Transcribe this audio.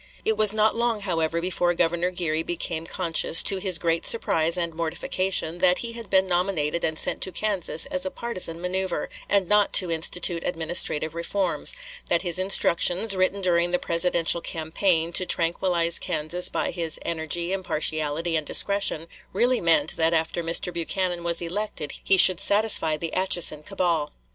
It was not long, however, before Governor Geary became conscious, to his great surprise and mortification, that he had been nominated and sent to Kansas as a partisan manoeuvre, and not to institute administrative reforms; that his instructions, written during the presidential campaign, to tranquillize Kansas by his "energy, impartiality, and discretion," really meant that after Mr. Buchanan was elected he should satisfy the Atchison cabal.